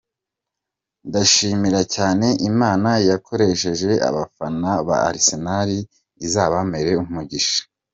Ndashimira cyane Imana yakoresheje abafana ba Arsenal, izabampere umugisha.